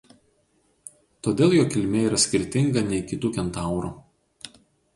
Todėl jo kilmė yra skirtinga nei kitų kentaurų.